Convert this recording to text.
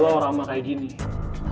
lo tuh ya bener